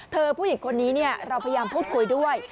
ผู้หญิงคนนี้เราพยายามพูดคุยด้วย